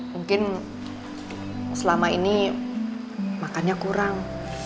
mungkin selama ini makannya kurang